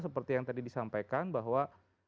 seperti yang tadi disampaikan bahwa